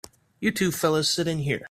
You two fellas sit in here.